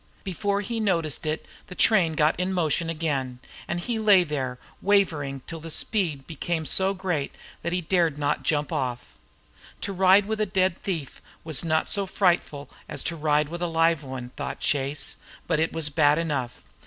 Before he noticed it the train got in motion again; and he lay there wavering till the speed became so great that he dared not jump off. To ride with a dead thief was not so frightful as to ride with a live one, thought Chase, but it was bad enough.